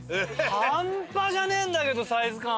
半端じゃねえんだけどサイズ感。